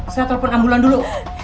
saya telepon ambulan dulu